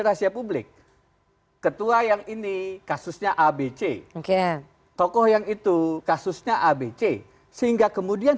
rahasia publik ketua yang ini kasusnya abc oke tokoh yang itu kasusnya abc sehingga kemudian